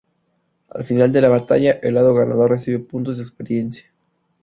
Al final de la batalla, el lado ganador recibe puntos de experiencia.